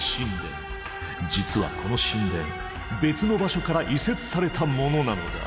実はこの神殿別の場所から移設されたものなのだ。